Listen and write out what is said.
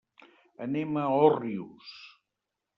Anem a Òrrius.